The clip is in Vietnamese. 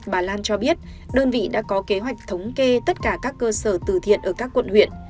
bà lan cho biết đơn vị đã có kế hoạch thống kê tất cả các cơ sở từ thiện ở các quận huyện